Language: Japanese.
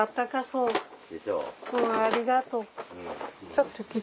うんありがとう。